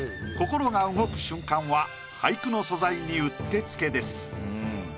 心が動く瞬間は俳句の素材にうってつけです。